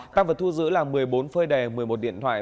tăng vật thu giữ là một mươi bốn phơi đề một mươi một điện thoại